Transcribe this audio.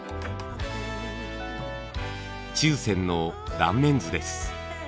注染の断面図です。